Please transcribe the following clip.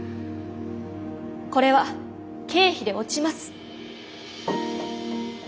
これは経費で落ちます。